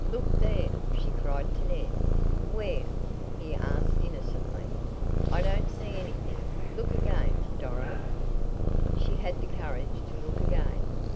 "Look there!" she cried to Ned. "Where?" he asked innocently, "I don't see anything. Look again, Doro." She had the courage to look again.